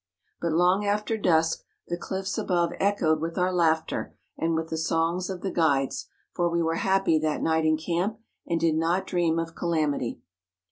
But long after dusk the cliffs above echoed with our laughter, and with the songs of the guides; for we were happy that night in camp, and did not dream of calamity.